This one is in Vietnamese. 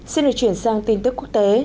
xin được chuyển sang tin tức quốc tế